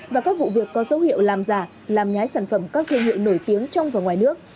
và các vụ việc có dấu hiệu làm giả làm nhái sản phẩm các thương hiệu nổi tiếng trong và ngoài nước